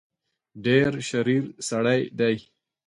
ډېر شریر سړی دی.